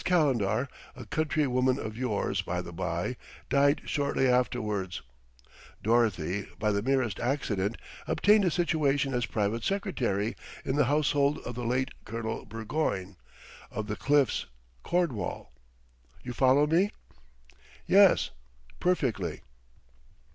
Calendar, a country woman of yours, by the bye, died shortly afterwards. Dorothy, by the merest accident, obtained a situation as private secretary in the household of the late Colonel Burgoyne, of The Cliffs, Cornwall. You follow me?" "Yes, perfectly."